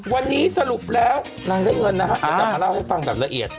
วันนี้สรุปแล้วนางได้เงินนะฮะเดี๋ยวจะมาเล่าให้ฟังแบบละเอียด